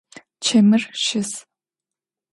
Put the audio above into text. Чэмыр щыс.